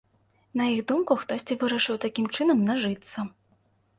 На іх думку, хтосьці вырашыў такім чынам нажыцца.